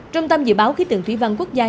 trung tâm dự báo khí tượng thủy văn quốc gia